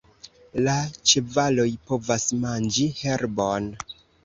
La ĉevaloj povas manĝi herbon.